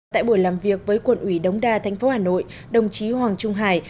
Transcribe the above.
tại buổi làm việc với quận ủy đống đa thành phố hà nội đồng chí hoàng trung hải